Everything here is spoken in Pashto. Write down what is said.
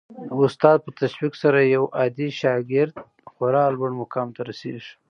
د استاد په تشویق سره یو عادي شاګرد خورا لوړ مقام ته رسېږي.